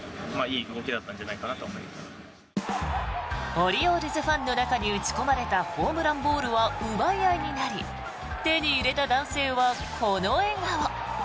オリオールズファンの中に打ち込まれたホームランボールは奪い合いになり手に入れた男性はこの笑顔。